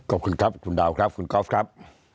ขอบคุณครับคุณดาวครับคุณกอล์ฟครับ